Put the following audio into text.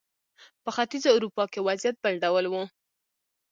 په ختیځه اروپا کې وضعیت بل ډول و.